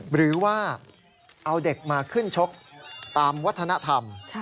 หรือว่าเอาเด็กมาขึ้นชกตามวัฒนธรรม